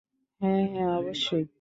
হ্যাঁ, হ্যাঁ অবশ্যই।